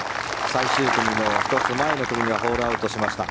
最終組の１つ前の組がホールアウトしました。